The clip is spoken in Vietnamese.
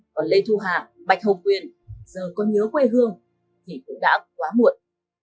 còn lê thu hạ bạch hồng quyền giờ còn nhớ quê hương thì cũng đã quá muộn